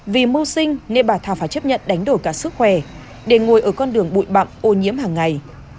vì mưu sinh nên bà tha phải chấp nhận đánh đổi cả sức khỏe để ngồi ở con đường bụi bậm ô nhiễm hàng ngày